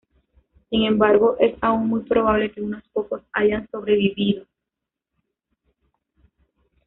Sin embargo es aún muy probable que unos pocos hayan sobrevivido.